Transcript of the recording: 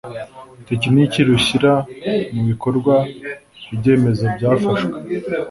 tekiniki rushyira mu bikorwa ibyemezo byafashwe